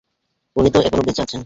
উনি তো এখনো বেচেঁও আছেন।